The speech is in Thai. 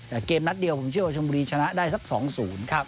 แต่เกมนัดเดียวผมเชื่อว่าชมบุรีชนะได้สัก๒๐